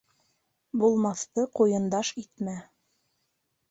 Булмаҫты ҡуйындаш итмә.